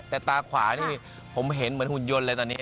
แต่ตาขวานี่ผมเห็นเหมือนหุ่นยนต์เลยตอนนี้